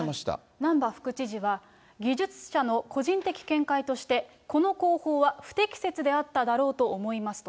難波副知事は、技術者の個人的見解として、この工法は不適切であっただろうと思いますと。